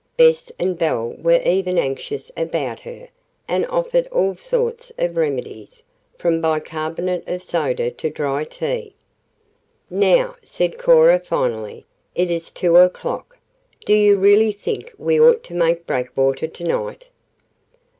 Bess and Belle were even anxious about her, and offered all sorts of remedies, from bicarbonate of soda to dry tea. "Now," said Cora finally, "it is two o'clock. Do you really think we ought to make Breakwater tonight?"